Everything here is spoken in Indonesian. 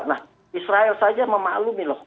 nah israel saja memaklumi loh